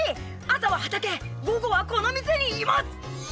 朝は畑午後はこの店にいます！